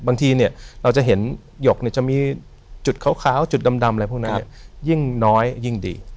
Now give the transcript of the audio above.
บางทีเนี่ยเราจะเห็นหยกจะมีจุดขาวจุดดำอะไรพวกนั้นยิ่งน้อยยิ่งดี